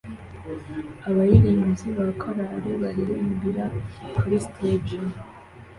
Abaririmbyi ba korari baririmbira kuri stage